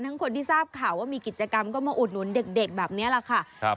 คนที่ทราบข่าวว่ามีกิจกรรมก็มาอุดหนุนเด็กแบบนี้แหละค่ะ